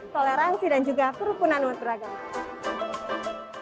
toleransi dan juga kerukunan umat beragama